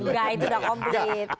nggak itu sudah komplit